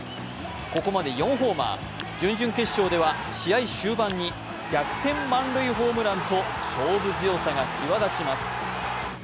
ここまで４ホーマー、準々決勝では試合終盤に逆転満塁ホームランと勝負強さが際立ちます。